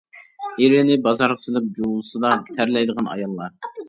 ئېرىنى بازارغا سېلىپ، جۇۋىسىدا تەرلەيدىغان ئاياللار.